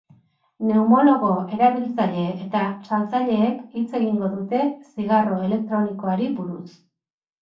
Pneumologo, erabiltzaile eta saltzaileek hitz egingo dute zigarro elektronikoari buruz.